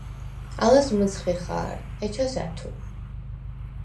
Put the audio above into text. ალას მჷცხი ხა̄რ, ეჩას – ა̈თუ.